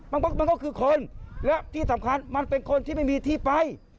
มันก็คือคนและที่สำคัญมันเป็นคนที่ไม่มีที่ไป